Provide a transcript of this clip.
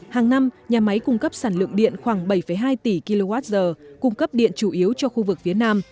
hàng năm nhà máy cung cấp sản lượng điện khoảng bảy hai tỷ kwh cung cấp điện chủ yếu cho khu vực phía nam